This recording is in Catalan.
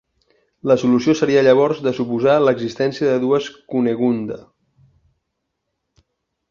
La solució seria llavors de suposar l'existència de dues Cunegunda.